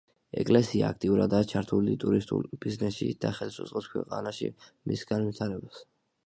ეკლესია აქტიურადაა ჩართული ტურისტულ ბიზნესში და ხელს უწყობს ქვეყანაში მის განვითარებას.